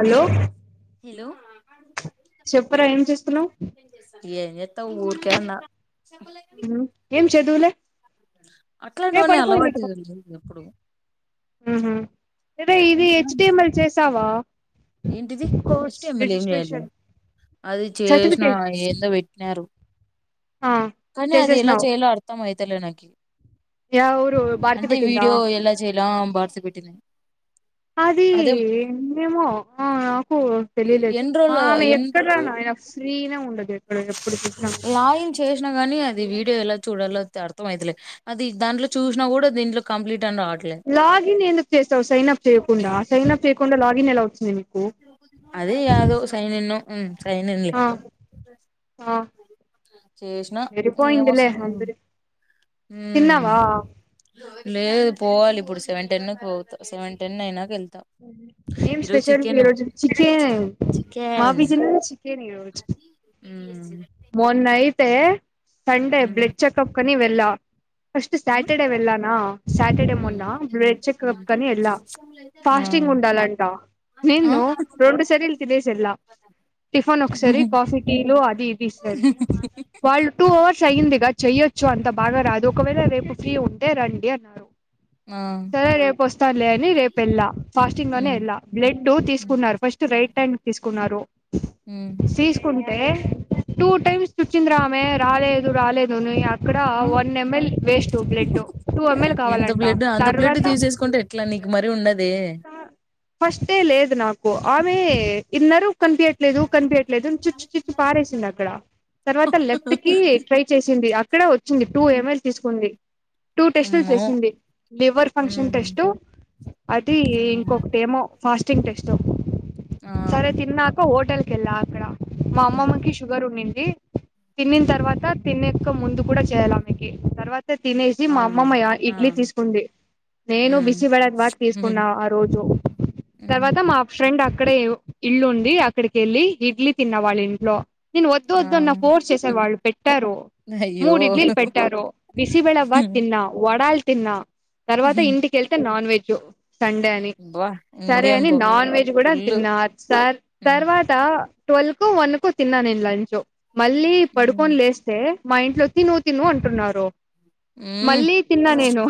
Hello hello చెప్పరా ఏం చేస్తున్నావు కిరణ ఏం చదువులే ఏ అట్లాంటివన్నీ అలవాటు ఎప్పుడు హమ్ ఏంటిది ఫస్ హా కోర్స్ టీ ఎం ఎల్ చేయాలి రిజిస్ట్రేషన్ అది చేసిన సర్టిఫికేట్ ఏందో పెట్టినారు ఆ కానీ అది ఎలా చేసేసినావు చేయలో అర్థంమయతు తెలనకి యా ఊరు భారతి అంటే పెట్టిందా వీడియో ఎలా చేయలో భారతి పెట్టింది అది అదే ఏమో ఆ నాకు తెలిలేదు ఎన్ని రోజులు ఆమె ఎన్ని ఎక్కడ్ర నాయన ఫ్రీనే ఉండదు ఎక్కడ ఎప్పుడు చూసినా సిన కాని అది వీడియో ఎలా చూడలో అర్థం అవుతలేదు అది దాంట్లో చూసినా కూడా దీంట్లో కంప్లీట్ అని రావట్లే లాగిన్ ఎందుకు చేస్తావు సైనా చేకుండా సైన్ అప్ చేయకుండా లాగిన్ ఎలా నీకు అదే యాదుో సైనిను హ్మ్మ్ ఆ ఆ చేసినా ఏమ సరిపోయిందిలే వస్తుంది అందరి ఉహ్మ్మ్ తిన్నావా లే లేదు పోవాలి ఇప్పుడు సెవెన్ టెన్ పో సెవెన్ టెన్ అయినక వెళ్తు ఏం స్పెషల్ ఈ రోజు చికెన్ చికెన్ మాబీజ చికెన్ ఈ రోజు ఉమ్ మొన్నై తే సండే ఉమ్ బ్లడ్ చెకప్ కనీ వె అలా ఫస్ట్ సాటర్డే వెళ్ళానా సాటర్డే ఉమ్ మొన్న బ్లెడ్ చెకప్ ఉమ్ కని వెళ్ళ ఉమ్ ఆ ఫాస్టింగ్ ఉండాలంట ఆ నిేను రెండు సరిలు తినేసి ఎళ్ళ టిఫన్ ఒకసారి కాఫీ టీలు అది ఇది స వాళ్ళు టూ అవర్స్ అయి్యంద ఇగా చెయ్యొచ్చు అంత బాగా రాదు ఒకవేళ రేపు ఫ్రీ ఉంటే రండి అన్నారు ఆ సరే రేపు వస్తానులే అని రేపు వెళ్ళ ఫాస్టింగ్ లోనే ఉమ్ వెళ్ళా బ్లడ్ తీసుకున్నారు ఫస్ట్ రైట్ హ్యాండ్ తీసుకున్నారు ఉమ్ తీసుకుంటే టూ టైమ్స్ చుచంద్ర ఆమె రాలేదు రాలేదును అక్కడ ఆ one ML waste blood two ML ఎంత కావాలంట బ్లడ్ అంత బ్లడ్ తర్వాత తీసేసుకుంటే ఎట్లా నీకు మరీ ఉండదే ఫస్ట్ఏ లేదు నాకు ఆమె ఇన్నరు కనిపియాట్ లేదు కనిపియిట్ లేదు చుచ్చు చుచ్చు పారేసింది అక్కడ తర్వాత లెఫ్ట్ కి ట్రై చేసింది ఇక్కడ వచ్చింది టూ ఎంఎల్ తీసుకుంది టూ టెస్ట్లు అమ్మో చేసింది లివర్ ఫంక్షన్ హ్మ్ టెస్ట్ అ హ్మ్ ఇంకొకట ఏమో ఫాస్టింగ్ టెస్ట్ ఓ ఆ సరే తిన్నాక ఓ హోటల్ కెల్లా ఆక్కడ మా హ్మ్ అమ్మమ్మకి షుగర్ ఉండిం ఏ తిన్నిన్ హ్మ్ తర్వాత తిన్నిన్ కా ముందు కూడా చేయాల మీకి తర్వాత తినేసి మా అవును అమ్మమ్మ యా ఆ ఇడ్లీ తీసుకుంది నేను హ్మ్ బిసి బడా బాత్ తీసుకు హ్మ్ కున్నా ఆ రోజు హ్మ్ తర్వాత మా ఫ్రెండ అక్కడే యు ఇల్లుంది అక్కడికి వెళ్లి ఇడ్లీ తిన్న వాళ్ళ ఇంట్లో నేను వద్దు ఆ వద్దు అన్న ఫోర్స్ చేసారు వాళ్ళు పెట్టారు అయ్యో మూడు ఇడ్లీలు పెట్టారు బిసిబెళ బాద్ తిన్నా వడాల్ తిన్నా తర్వాత ఇంటికెళ్తే నాన్ వెజ్ యో సండే అని అబ్బా సరే ఇంగేం అని పో నాన్ వెజ్ గూడ ఫుల్లు తిన్నార్ తర్ హ్మ్ తర్వాత ట్వల్ కో వన్ కో తిన్నా నేను లంచో మళ్ళీ హ్మ్ పడుకొని లేస్తే మా ఇంట్లో తిను తిను అంటున్నారు హ్మ్ మళ్ళీ తిన్న నేను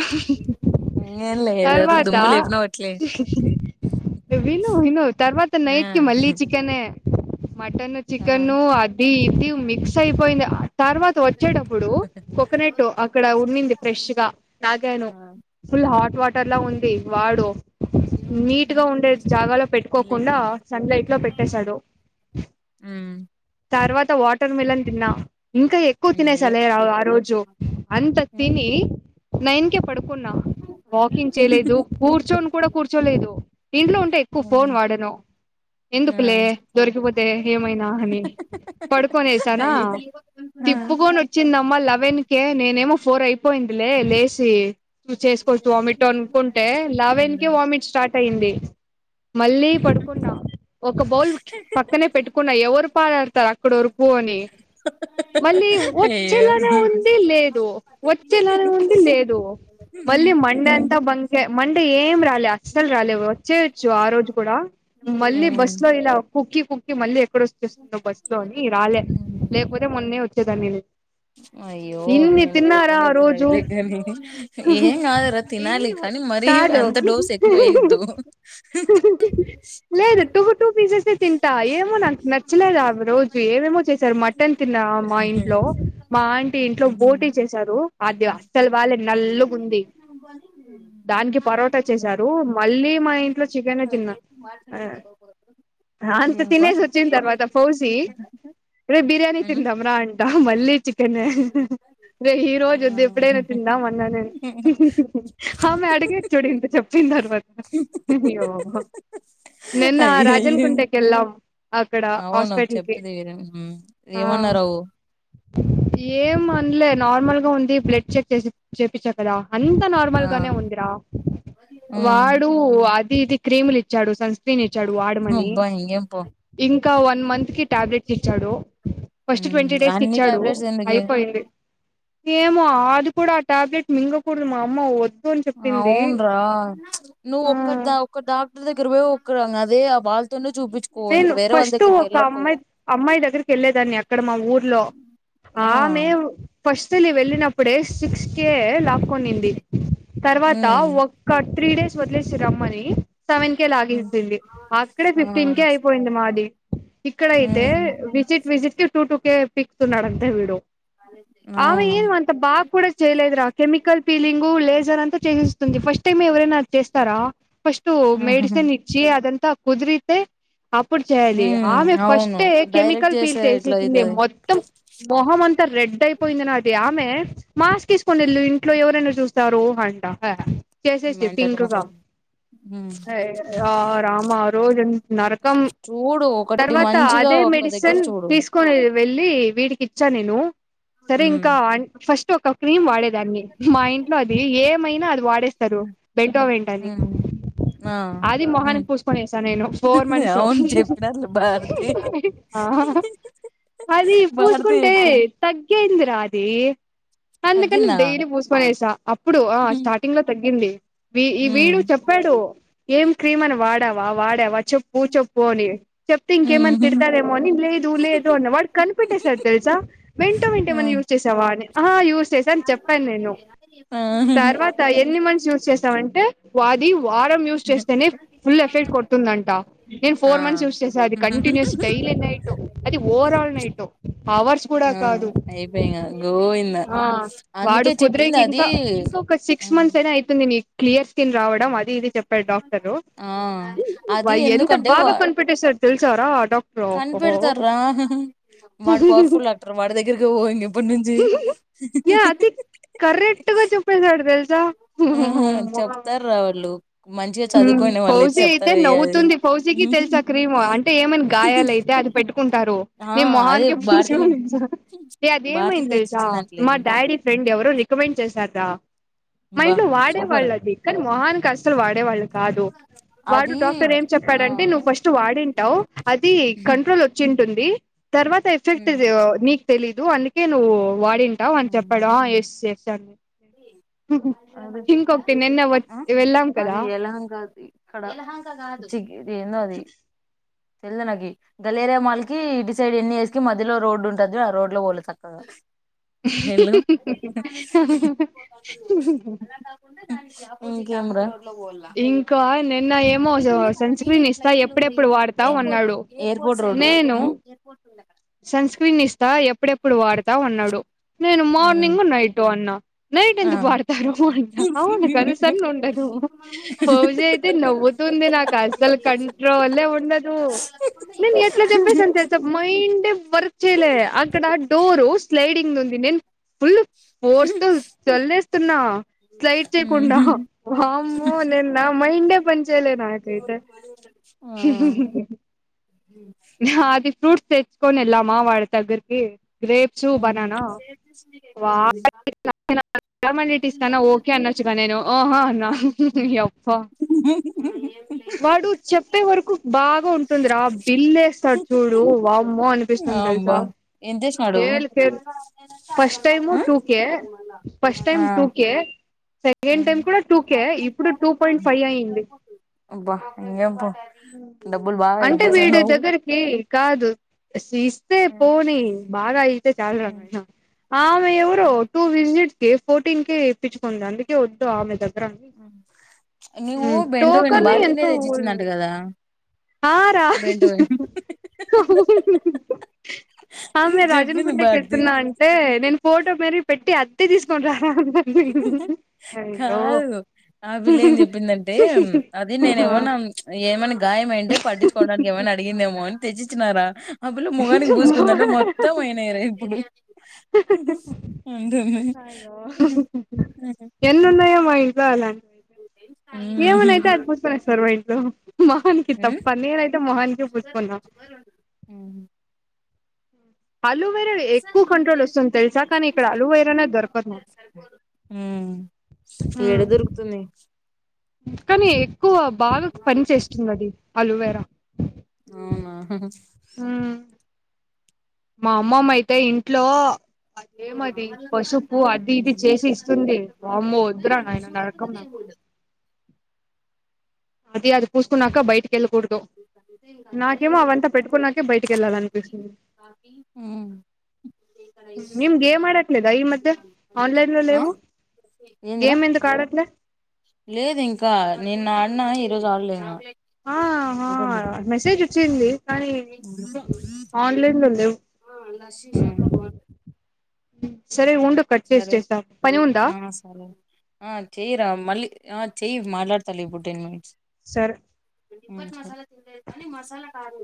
ఇంగేం లే ఏదేదో తర్వాత్ తా దుమ్ము లేపినావ్ అట్లే విను విను తర్వాత ఆ నైట్కి మళ్ళీ చికెన్ నే మటన్ ఆ చికెను అది ది మిక్స్ అయిపోయిందా ఆర్ తర్వాత వచ్చేటప్పుడు కోకనట్ అక్కడ ఉండింది ఫ్రెష్ గా తాగాను ఆ ఫుల్ హాట్ వాటర్లా ఉంది వాడో నీట్ గా ఉండే జాగాలో విలేక పెట్టుకోకుండా సన్ లైట్ లో పెట్టేశాడు హ్మ్ తర్వాత తా వాటర్ మిలన్ తిన్నా ఇంకా ఎక్కువ తినేసా అయ్యో లే ఆ ఆ రోజు అంత హ్మ్ తిని నైన్ కేప్ పడుకున్నా వాకింగ్ చేయలేదు కూర్చొని కూడా కూర్చోలేదు ఇంట్లో ఉంటే ఎక్కువ ఫోన్ హ్మ్ వాడను ఆ ఎందుకులే దొరికిపోతే ఏమైనా అని పడుకొనే ఏసానా అయ్యో తిప్పుకొని ఆ వచ్చిందమ్మా లెవెన్ కే నేనేమో ఫోర్ అయిపోయింది లే లేషి హ్మ్ చేసుకోవచ్చు వామిటన్ అనుకోను అంటే లెవెన్ కే వామిట్ స్టార్ట్ అయింది మళ్ళీ పడుకున్నా ఒక బౌల్ పక్కనే పెట్టుకున్నా ఎవరు పాడు ఆడుతారు అక్కడ ఒరుకు అని మళ్ళీ అయ్యో వచ్చేలానే ఉంది లేదు వచ్చేలానే ఉంది లేదు మళ్ళీ మండే అంతా బంగ్ మంటే ఏం రా అస్సలు రాలే వచ్చేవచ్చు ఆ రోజు కూడా ఉమ్. మళ్ళీ బస్ లో ఇలా కుకి కు మళీ ఇక్కడ వచ్చేస్తుండో బస్ లో అని రాలే ఉమ్. లేకపోతే మొన్న వ చ్చా మీ అయ్యో ఎంత కష్టమ ఆ రోజు వచ్చందాల్ కానీ ఏం ఆదురా తినాల ఇన్ని కానీ మ కాదు లేదు టూ టూ పీసెసే తింటా ఏమో నాకు నచ్చలేదు ఆ రోజు ఏవేమో చేసారు మటన్ తిన్నా మా ఇంట్లో మా ఆంటిీ ఇంట్లో పోోటీ చేసారు అది అస్సలు వాళ్ళ నల్లుగుంది దానికి పరోటా చేసారు మళ్ళీ మా ఇంట్లో చికెనే తిన్నాం అంత ఏంపా తినేసి వచ్చిన తర్వాత ఫౌజీ రే బిర్యానీ ఉమ్. తిందాం రా అంట మళ్ళీ అనేే ఈ రోజు ఆ. వద్దిదు ఎప్పుడైనా తిందాం అన్నా నేను ఆమె అడిగేది చూడు ఇంత చెప్పిన తర్వాతయ్యో నిన్న రాజన్ అయ్యయ్యో కుంటేకి వెళ్ళాం అక్కడ అవును హాస్పిటల్ కి చెప్తది హ్మ్ ఆ ఏమన్నారు ఏం అనలే నార్మల్ గా ఉంది బ్లడ్ చెక్ చేసి చేపచ్చా కదా అంత న ఆ నే వందిరా హ్మ్ వాడు అ ఇది క్రీమ్ ఇచ్చడు సంస్కీనిచ్చాడు ఆడమని అబ్బా ఇంగేం పో ఇం ఇంకా వన్ మంత్ కి టాబ్లెట్స్ ఇచ్చాడు ఫస్ట్ హ్మ్ ట్వంటీ డేస్ కి అన్ని ఇచ్చాడు టాబ్లెట్స్ ఎందుకే అయిపోయింది మేము ఆదు ప్పుడు ఆ టాబ్లెట్ మింగకప్పుడు మా అమ్మ వద్దు అని చెప్పింది అవున్రా నువ్ ఆ ఒక్కద్దా ఒక్క దా దగ్రేక్క అదే ఆ బాలతోండ నేను ఫస్ట్ ఒక అమ్మాయి అమ్మాయి దగ్గరికి వెళ్ళేదాన్ని అక్కడ మా ఊర్లో ఆ ఆమెేము ఫస్ట్లి వెళ్ళినప్పుడే సిక్స్ కే లాక్కొనింది తర్వాత హ్మ్ ఒక త్రీ డేస్ వద్లేసిర అమ్మని సెవెన్ కె హ్మ్ లాగగిసింది ఆక్కడ ఆ ఫిఫ్ టీన్ కే అయిపోయింది మాది ఇక్కడయితే హ్మ్ విజిట్ విసిిట్ కి టూ టూ కే ఫిక్స్ అడంతా విడు ఆమె అవును ఏన్ అంత బా కూడాడా చెయలేదరా కెమికల్ ఫీలింగు లేస్ ంత చేంది ఫస్ట్ టైమ్ ఎవరైనా చేస్తారా ఫస్టు మెడిసిన్ ఇచ్చి అదంత కుదిరి తే అప్పుడు చేయాలి హ్మ్ ఆమె అవును ఫస్టే డైరెక్ట్ కెమికల్ పీల్ చేసే ఇట్లా చేసేసింది అయితది మొత్తం మొహం అంతా ఇ రెడ్ అయిపోయింది నాటి ఆమె మాస్క్ తీసుకొనిల్ళు ఇంట్లో ఎవరైనా చూస్తారు అంట చేసేసి మెంటల్ పింక్ గా మొఖం హ్మ్ ఆ రామా రోజు నరకం చూడు ఒకటి తర్వాత మంచిగా అదే ఒక దగ్గర మెడిసిన్ చూడు తీసుకొని వెళ్ళి వీడికి ఇచ్చా నేను సరే ఉమ్ ఇంకా ఆన్ ఫస్ట్ ఒక క్రీమ్ వాడేదాన్ని మా ఇంట్లో అది ఏమైనా అది వాడేస్తారు బెంటో వెంట్ అది ఉమ్ ఆ అది ఉమ్ మొహానికి పూసుకునేసా నేను ఫోర్ మంత్స్ అవును చెప్పినారులే భారతి ఆ అది భారతి పూసుకుంటే చెప్పింది తగ్గియిందిరా అది అందుకని తగ్గిందా డైర్ పూస్ పడేసా అప్పుడు ఆ ఉమ్ స్టార్టింగ్ లో తగ్గింది వి ఈ వీడు ఉమ్ చెప్పాడు ఏం క్రీమ్ అని వాడావా వాడావా చెప్పు చెప్పు అని చెప్తే ఇంకేమాన్ తిడతారేమో అని లేదు లేదు అన్న వాడు కనిపపిట్టే సార్ తెలుసా వెంట వెంటే ఆ ఏమన్నా యజ్ చేసేవాళ్లే ఆహా యూస్ చేస అని చెప్పాను నేను ఆ తర్వాత ఎన్ని మంతస్ యూస్ చేసావంటే వాది వారం యూజ్ చేస్తేనే ఫుల్ ఎఫెక్ట్ కొడుతుందంట నేను ఆ ఫోర్ మంత్స్ యూస్ చేసా అది కంటిన్యూస్ డైలీ నైట్ అది ఓవరాల్ నైట్ అవర్స్ కూడా ఆ కాదు అయిపోయింగా గోవిందా ఆ వాడు అందుకే చెప్పింది కుదిరేకి అది ఇంకా ఇంకా ఒక సిక్స్ ఉమ్. మంత్స్ అయినా అయితుంది నీకు క్లియర్ స్కిన్ రావడం అది ఇది చెప్ పే డాక్టరు ఆ అది వై ఎంత ఎందుకంటే వా భాగా కనిపెట్టేసర్ తెలుసారా డాక్టరు ఓహో కనిపెడతార్రా వాడు పవర్ఫుల్ డాక్టర్ వాడి దగ్గరకి పో ఇంక ఇప్పటి నుంచి అతి కరెక్ట్ గా చెప్పేసాడు వెళ్దాం ఆహా చెప్తారు రా వాళ్ళు మంచిగా చదువుకోని వాళ్ళయితే పౌసి అయితే చెప్తారు ఇగ అది నవ్వుతుంది పౌసికి తెలుసా క్రీమ్ అంటే ఏమనా గాయాలయితే అది పెట్టుకుంటారు ఆ నీ అదే మొహాన్క పూసే భారతిని అని ఇచ్చిన భారతి అదిమైంది తెలుసా తెచ్చిచ్చిందంట్లే మా డాడీ ఫ్రెండ్ ఎవరు రికమెండ్ చేశారా మా బా ఇంట్లో వాడే సూపర్ వాళ్ళది కానీ వాన్ కష్టాల్ వాడ్. డె వాళ్ళు కాదు వాడు అది డాక్టరేం ఆ చెప్పాడంటే నువ్వు ఫస్ట్ వాడింటావ్ అది కంట్రోలొచ్చిం. టుంది. తర్వాత ఎఫెక్ట్ హ్మ్ జొ నీక్. తెలీదు అందుకే నువ్. వాడింటావ్ అన్ హ్మ్ చెప్పాడు ఆ ఎస్ ఎస్. [unintelligible] అది ఇంకొక్టి నిన్న వ వెళ్ళామ్ కదా. దాది క్కడ జిగ్ ఏందో అది తెల్దు నాకి దలేరియా మాల్ కి డిసైడ్ ఎన్నిఎస్ కి మధ్యలో రోడ్డు ఉంటద్ జూడు ఆ రోడ్ లో పోవాలి సక్కగ. హహహ పోతావు జూడ్ నువ్వు అలా కాకుండా దానికి ఆపోజి. కెమ్ర లొ పోల్ల ఇంకా నిన్న ఏమో ఇందుంది సన్ కదనే స్క్రీన్ ఇస్తా ఫ్లైట్ లో ఎప్పుడెప్పుడు పోయేది వాడతావు ఎయిర్పోర్ట్ అన్నాడు ఎయిర్పోర్ట్ రోడ్ ఉమ్ ఎయిర్పోర్ట్. సన్స్క్రీనిస్తా ఎప్పుడెప్పుడు వాడతావ్ అన్నాడు. నేను ఉమ్ మార్నింగు నైటు అన్న ఆ నైటెందుకు వాడతారు అంట ఔను కద సన్నుండదు ఇప్పుడు మనము ఈ బస్ ఫౌజీ సెంటర్ ఐతే వెళ్తాం కదా నవ్వుతుంది గలేరియా మాల్ నుంచి నాకసలు ఇది చేసుకుంటూ కంట్రోలే ఉండదు అలా వెళ్ళకుండా నేన్ ఇంకో ఎట్ల జెప్పేసాన్ దారి తెల్సా మైన్. వర్క్ చేయ్లే అక్కడ డోరు స్లైడింగుంది నేన్. ఫుల్లు ఫోర్స్ తో చల్లేస్తున్నా స్లైడ్ చేయ్కుండా ఉహు వామ్మో నేన్ నా మైండే పని చేయ్లే నాకైతే. ఆ హ అది ఫ్రూట్. తెచ్చుకోనెల్లమా వాడి దగ్గరికి. గ్రేప్సు బనానా నేను షేర్ చేసింది నీకు ఎక్కడ వా దొరికింది [unintelligible] ఓకే అనొచ్చుగా నేను. ఓహో అనా. యప్పా గు వాడు చెప్పే వరకు బాగా ఉంటుందిరా బిల్లేస్తాడ్ చూడు వామ్మో అనిపిస్తుంద్ తెల్సా అబ్బా ఏం చేసినాడు ఏల్కేలు first time two K first time two K. Second time కూడా టూకే ఇప్పుడు టూ పాయింట్ ఫై ఐంది. అబ్బా ఇంకేం పో ఉమ్ డబ్బులు బాగా ఇది అంటే వీడి చేస్తున్నావు దగ్గరికి కాదు సిస్తే పోనీ బా. అలై తే చాల్ రా నాయ్నా. ఆమె ఎవరు టూ విజిట్. కే ఫోర్టీన్కే ఏపిచ్చకుంది అందుకే వొద్దు ఆమె దగ్. ఉమ్ నివ్వు బెండువె. నేను టోకన్ భారతీనేే ఎంతో తెచ్చిచ్చిందంట కదా ఆ రా బెంటో ఆమె రాజన్ చెప్పింది గుంటెకి భారతి వెళ్తున్నా అంటే నేను ఫోటో మరీ పెట్టి అత్తే తీసుకొని రా అన్నారు కాదు ఆ పిల్ల ఏం చెప్పిందంటే అది నేను ఏమన్నా ఏమనా గాయం ఆయ్ అంటే పటించుకోడానికి ఏమనా అడిగిందేమో అన్నీ తెచ్చించినారా ఆ పిల్లా మోకానికి పూసుకుందంటే మొత్తం అయినాయి రా ఇప్పుడు ఆ అంటేంది ఎన్న ఉన్నాయో ఇవ్వాలని అదైతే ఉమ్ ఏమైనా అయితే వాళ్లు కూర్చో నిడి ఇంట్లో దానికి ఉమ్ తప్ప నేను అయితే ఉమ్. అలువైరా లో ఎక్కువ కంట్రోల్ వస్తుంది తెలుసా కానీ ఇక్కడ అలువైరా అనే దొరకదు నాకు ఉమ్. ఏడ దొరుకుతుంది కానీ ఎక్కువ బాగా పని చేస్తుంది అది అలవేరా అవునా మా అమ్మమ్మ అయితే ఇంట్లో అదేమది పసుపు అది ఇది చేసి ఇస్తుంది వమ్మో వద్దురా నాయన నరకం నాకు అది అది పూసుకున్నాక బయటకి వెళ్ళకూడదు నాకేమో అవంతా పెట్టుకున్నాకే బయటికి వెళ్ళాలనిపిస్తుంది ఉమ్. మేము గేమ్ ఆడట్లేదా ఈ మధ్య ఆన్లైన్ లో ఆ లేవు ఏందిరా గేమ్ ఎందుకు ఆడట్లే లేదు ఇంకా నిన్నా ఆడినా ఈరోజు ఆడలేదు ఆ హా మెసేజ్ వచ్చింది కానీ ఆన్లైన్ లో లేవు అలా షి షాప్ లో బాల్ అ సరే ఆ సరే ఆ చేయ్యిరా మళ్ళి ఆ చేయ్ మాట్లాడతాలే ఇప్పుడు టెన్ మినిట్స్ సార్ మా తెలేదు కానీ మసాలా కాదు